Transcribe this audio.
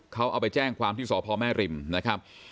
เขาเอาไปแจ้งความที่สพแม่ริมนะครับ